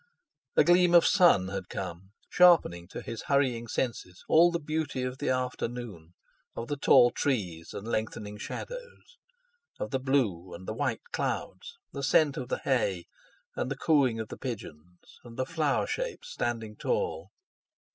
A gleam of sun had come, sharpening to his hurrying senses all the beauty of the afternoon, of the tall trees and lengthening shadows, of the blue, and the white clouds, the scent of the hay, and the cooing of the pigeons; and the flower shapes standing tall.